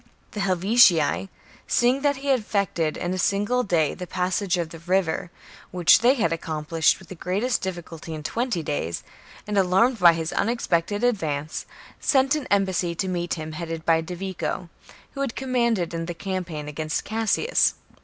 The Helvetii, seeing that he had effected in a single day the passage of the river, which they had accomplished with the greatest difficulty in twenty days, and alarmed by his unexpected advance, sent an embassy to meet him, headed by Divico, who had commanded in the campaign against Cassius.